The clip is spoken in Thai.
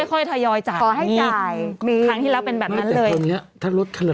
ค่อยถอยอยจาก